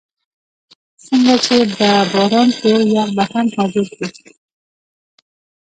څنګه چې به باران شو، یخ به هم حاضر شو.